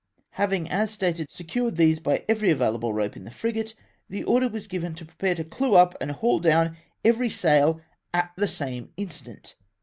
Having, as stated, secured these by every available rope in the frigate, the order was given to prepare to clew up and haul down every sail at the same instant.